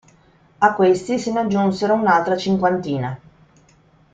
A questi se ne aggiunsero un'altra cinquantina.